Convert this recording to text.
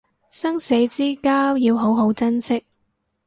生死之交要好好珍惜